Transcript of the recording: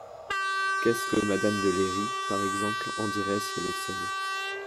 Qu’est-ce que madame de Léry, par exemple, en dirait si elle le savait ?